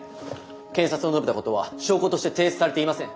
検察の述べたことは証拠として提出されていません。